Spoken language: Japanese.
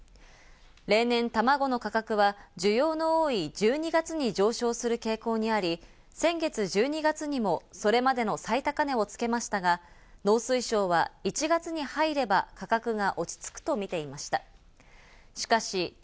例年、たまごの価格は需要の多い１２月に上昇する傾向にあり、先月１２月にも、それまでの最高値をつけましたが、農水省は１月に入れば価格が落ち着くと見ていました。